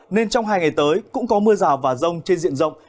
nên trong hai ngày tới cũng có mưa rào và rông trên diện rộng